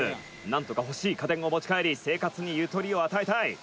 「なんとか欲しい家電を持ち帰り生活にゆとりを与えたい」